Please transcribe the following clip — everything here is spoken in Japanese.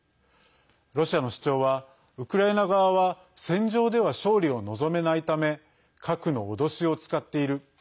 ロシアの主張はウクライナ側は戦場では勝利を望めないため核の脅しを使っている。